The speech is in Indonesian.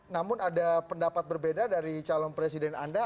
namun ada pendapat berbeda dari calon presiden anda